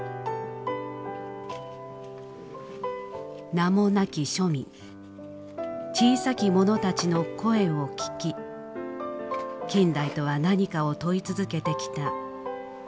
名もなき庶民小さきものたちの声を聞き近代とは何かを問い続けてきた渡辺京二さん。